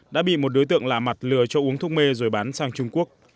đã bị một đối tượng lạ mặt lừa cho uống thuốc mê rồi bán sang trung quốc